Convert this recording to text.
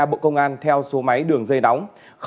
bộ công an theo số máy đường dây nóng